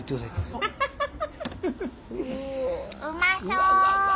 うまそう。